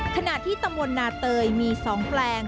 ขณะที่ตำบลนาเตยมี๒แปลง